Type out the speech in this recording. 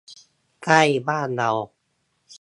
ใกล้บ้านเรา